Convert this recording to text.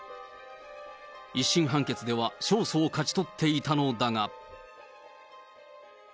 １審判決では勝訴を勝ち取っていたのだが。